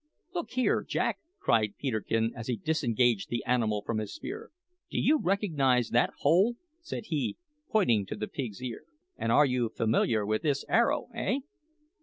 "Look here, Jack!" cried Peterkin as he disengaged the animal from his spear. "Do you recognise that hole?" said he, pointing to the pig's ear; "and are you familiar with this arrow, eh?"